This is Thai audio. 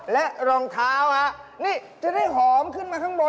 เลียกปลาให้ฆ่าได้ไหม